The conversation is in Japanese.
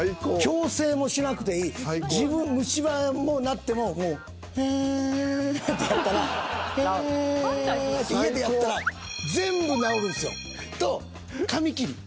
矯正もしなくていい虫歯もなってももうハーッてやったらハーッて家でやったら全部なおるんすよ。と髪切り。